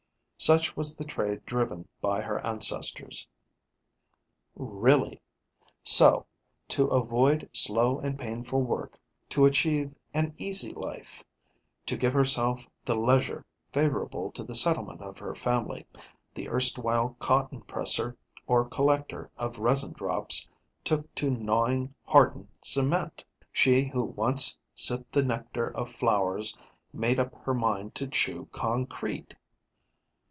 Such was the trade driven by her ancestors. Really! So, to avoid slow and painful work, to achieve an easy life, to give herself the leisure favourable to the settlement of her family, the erstwhile cotton presser or collector of resin drops took to gnawing hardened cement! She who once sipped the nectar of flowers made up her mind to chew concrete!